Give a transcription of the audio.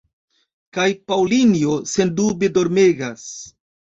Kaj Paŭlinjo, sendube, dormegas.